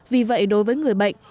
vì vậy đối với người bệnh